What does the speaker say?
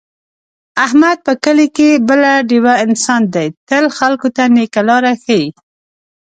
احمد په کلي کې بله ډېوه انسان دی، تل خلکو ته نېکه لاره ښي.